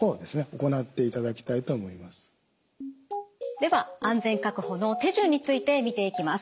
では「安全確保」の手順について見ていきます。